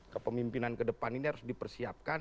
kepemimpinan kedepan ini harus dipersiapkan